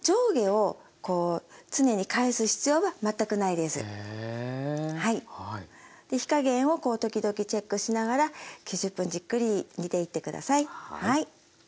で火加減を時々チェックしながら９０分じっくり煮ていって下さい。